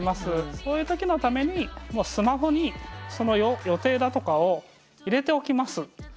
そういう時のためにスマホにその予定だとかを入れておきます。